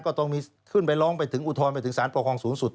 ก็ต้องมีขึ้นไปร้องไปถึงอุทธรณ์ไปถึงสารปกครองสูงสุด